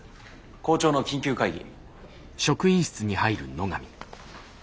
校長の緊急会議。